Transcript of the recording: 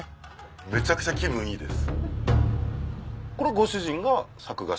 めちゃくちゃ気分いいです。